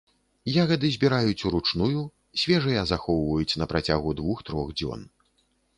Ягады збіраюць уручную, свежыя захоўваюць на працягу двух-трох дзён.